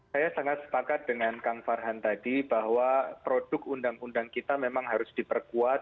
saya sangat sepakat dengan kang farhan tadi bahwa produk undang undang kita memang harus diperkuat